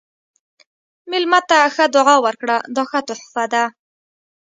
مېلمه ته ښه دعا ورکړه، دا ښه تحفه ده.